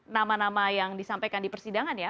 nama nama yang disampaikan di persidangan ya